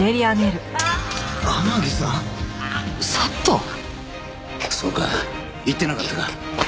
そうか言ってなかったか。